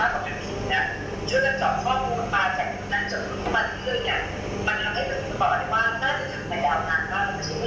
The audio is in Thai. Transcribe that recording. กระทืบได้กระทืบแล้ว